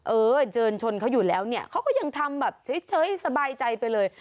เออเดินชนเขาอยู่แล้วเนี่ยเขาก็ยังทำแบบเฉยสบายใจไปเลย